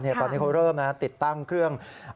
ตอนนี้เขาเริ่มติดตั้งเครื่อง